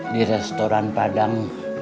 di restoran padang